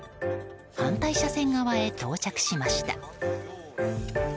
反対車線側へ到着しました。